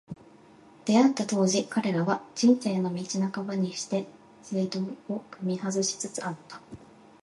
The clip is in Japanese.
出逢った当時、彼らは、「人生の道半ばにして正道を踏み外し」つつあった。